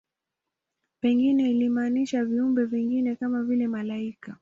Pengine linamaanisha viumbe vingine, kama vile malaika.